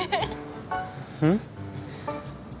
うん？